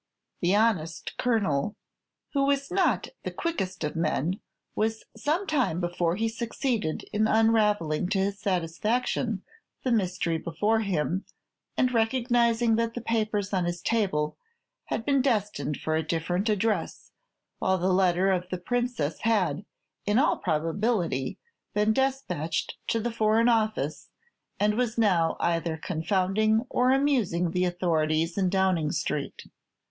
The honest Colonel, who was not the quickest of men, was some time before he succeeded in unravelling to his satisfaction the mystery before him, and recognizing that the papers on his table had been destined for a different address, while the letter of the Princess had, in all probability, been despatched to the Foreign Office, and was now either confounding or amusing the authorities in Downing Street.